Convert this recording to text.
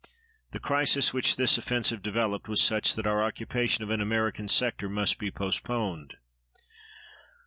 The crisis which this offensive developed was such that our occupation of an American sector must be postponed.